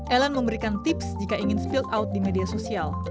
ellen memberikan tips jika ingin spill out di media sosial